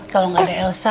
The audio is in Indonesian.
kalau gak ada elsa